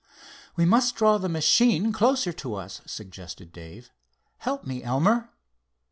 "We must draw the machine closer to us," suggested Dave. "Help me, Elmer."